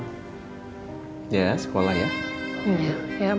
nanti selesai sekolah malamnya bisa ketemu mama